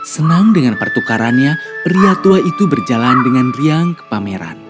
senang dengan pertukarannya pria tua itu berjalan dengan riang ke pameran